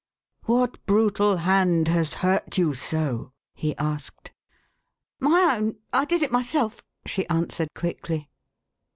" What brutal hand has hurt you so ?" he asked. "My own. I did it myself!" she answered quickly.